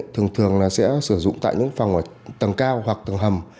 thường thường là sẽ sử dụng tại những phòng ở tầng cao hoặc tầng hầm